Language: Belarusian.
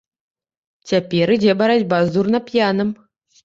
Цяпер ідзе барацьба з дурнап'янам.